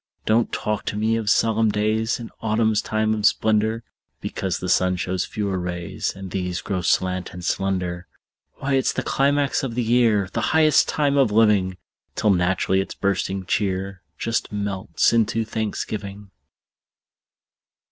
Don't talk to me of solemn days In autumn's time of splendor, Because the sun shows fewer rays, And these grow slant and slender. Why, it's the climax of the year, The highest time of living! Till naturally its bursting cheer Just melts into thanksgiving.